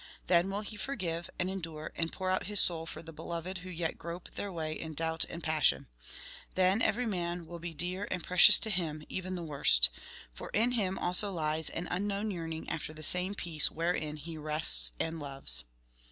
Then will he forgive, and endure, and pour out his soul for the beloved who yet grope their way in doubt and passion. Then every man will be dear and precious to him, even the worst, for in him also lies an unknown yearning after the same peace wherein he rests and loves."